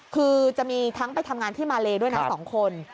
คือจะมีทั้งไปทำงานที่มาเลด้วยนะ๒คน